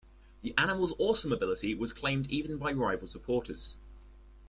The animal's awesome ability was claimed even by rival supporters.